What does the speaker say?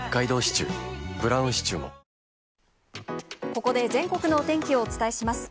ここで全国のお天気をお伝えします。